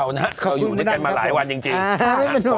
เราอยู่ด้วยกันมาหลายวันจริง